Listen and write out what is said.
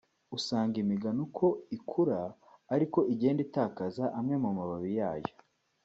usanga imigano uko ikura ari ko igenda itakaza amwe mu mababi yayo